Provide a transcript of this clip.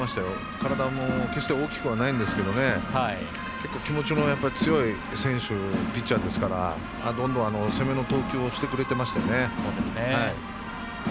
体も決して大きくないんですけど結構気持ちの強い選手ピッチャーですからどんどん攻めの投球をしてくれてましたよね。